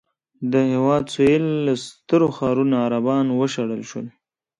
د هېواد سوېل له سترو ښارونو عربان وشړل شول.